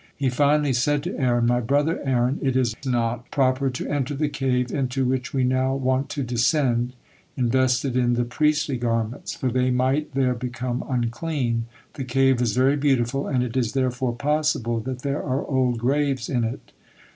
He finally said to Aaron: "My brother Aaron, it is not proper to enter the cave into which we now want to descend, invested in the priestly garments, for they might there become unclean; the cave is very beautiful, and it is therefore possible that there are old graves in it."